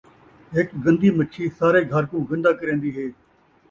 ہک گن٘دی مچھی سارے گھر کوں گن٘دا کرین٘دی ہے